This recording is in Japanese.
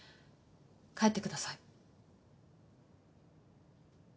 帰ってください。